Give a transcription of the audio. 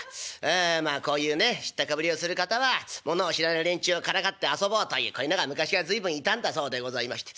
こういうね知ったかぶりをする方は物を知らない連中をからかって遊ぼうというこういうのが昔から随分いたんだそうでございまして。